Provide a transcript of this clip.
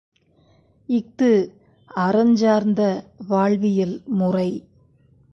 இஃது அறஞ்சார்ந்த வாழ்வியல் முறை.